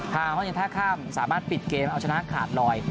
ทางห้องยิงท่าข้ามสามารถปิดเกมเอาชนะขาดหน่อย